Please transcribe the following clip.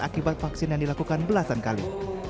akibat vaksin yang dilakukan belasan kali